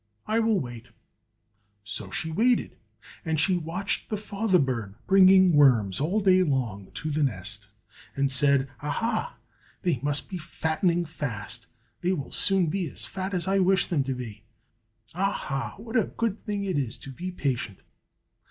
I will wait!" So she waited; and she watched the father bird bringing worms all day long to the nest, and said, "Aha! they must be fattening fast! they will soon be as fat as I wish them to be. Aha! what a good thing it is to be patient."